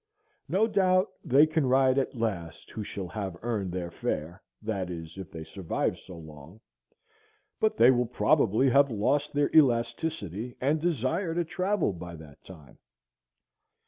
No doubt they can ride at last who shall have earned their fare, that is, if they survive so long, but they will probably have lost their elasticity and desire to travel by that time.